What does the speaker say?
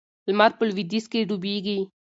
لمر په لویدیځ کې ډوبیږي.